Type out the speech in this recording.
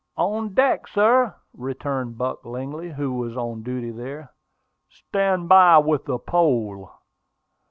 "On deck, sir!" returned Buck Lingley, who was on duty there. "Stand by with the pole."